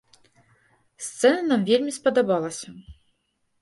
Сцэна нам вельмі спадабалася.